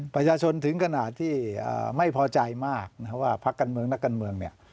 ประชาชนถึงขนาดที่ไม่พอใจมากว่าพักการเมืองนักการเมืองเนี่ย